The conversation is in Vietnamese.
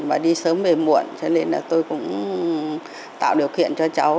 và đi sớm về muộn cho nên là tôi cũng tạo điều kiện cho cháu